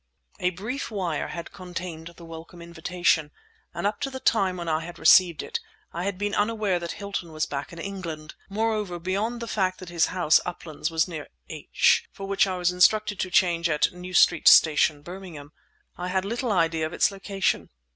A brief wire had contained the welcome invitation, and up to the time when I had received it I had been unaware that Hilton was back in England. Moreover, beyond the fact that his house, "Uplands," was near H—, for which I was instructed to change at New Street Station, Birmingham, I had little idea of its location.